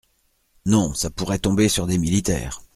Non… ça pourrait tomber sur des militaires.